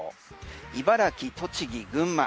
茨城、栃木、群馬。